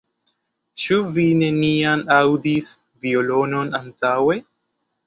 Ĉu vi neniam aŭdis violonon antaŭe?